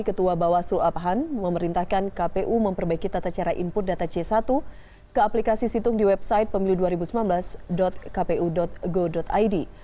ketua bawaslu apahan memerintahkan kpu memperbaiki tata cara input data c satu ke aplikasi situng di website pemilu dua ribu sembilan belas kpu go id